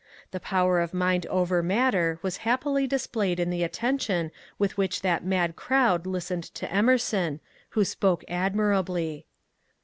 The power of mind over matter was happily displayed in the attention with which that mad crowd listened to Emerson,, who spoke admirably.